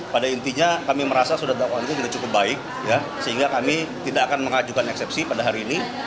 pada intinya kami merasa sudah dakwaan itu sudah cukup baik sehingga kami tidak akan mengajukan eksepsi pada hari ini